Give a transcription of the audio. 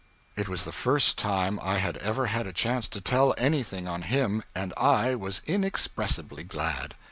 It was the first time I had ever had a chance to tell anything on him, and I was inexpressibly glad.